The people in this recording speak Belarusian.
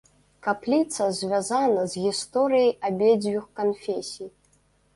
Капліца звязана з гісторыяй абедзвюх канфесій.